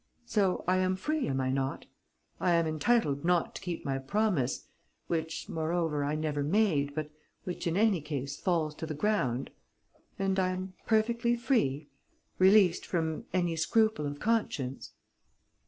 So I am free, am I not? I am entitled not to keep my promise, which, moreover, I never made, but which in any case falls to the ground?... And I am perfectly free ... released from any scruple of conscience?..."